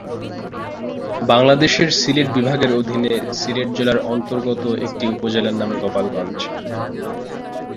বাংলাদেশের সিলেট বিভাগের অধীনে সিলেট জেলার অন্তর্গত একটি উপজেলার নাম গোলাপগঞ্জ।